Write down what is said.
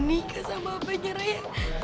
nyokapnya mau nikah sama apa aja rayang